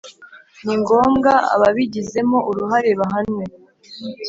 ni ngombwa ababigizemo uruhare bahanwe